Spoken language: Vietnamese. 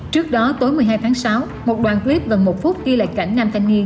trước đó tối một mươi hai tháng sáu một đoàn clip gần một phút ghi lại cảnh nam thanh niên